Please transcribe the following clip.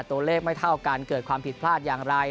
ตัวเลขไม่เท่ากันเกิดความผิดพลาดอย่างไร